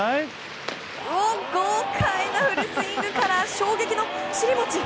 豪快なフルスイングから衝撃の尻もち。